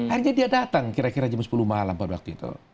akhirnya dia datang kira kira jam sepuluh malam pada waktu itu